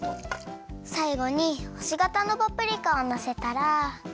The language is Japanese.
さいごにほしがたのパプリカをのせたら。